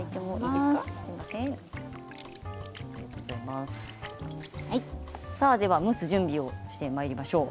では蒸す準備をしてまいりましょう。